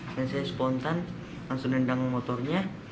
dan saya spontan langsung dendam motornya